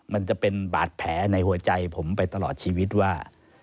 มันจะเป็นบาดแผลในหัวใจผมไปตลอดชีวิตว่า